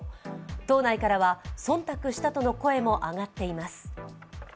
党内からは忖度したとの声も上がっています。